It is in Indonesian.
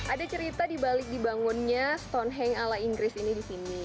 ada cerita di balik dibangunnya stonehenge ala inggris ini disini